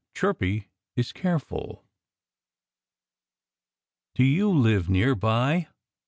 XIV CHIRPY IS CAREFUL "Do you live near by?"